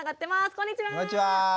こんにちは。